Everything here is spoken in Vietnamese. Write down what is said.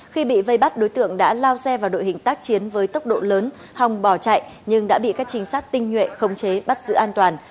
khi bị vây bắt đối tượng đã lao xe vào đội hình tác chiến với tốc độ lớn hòng bỏ chạy nhưng đã bị các trinh sát tinh nhuệ khống chế bắt giữ an toàn